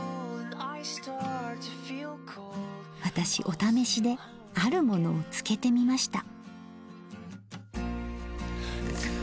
私「お試し」であるものを漬けてみました。